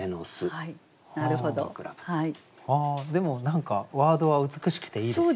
何かワードは美しくていいですよね。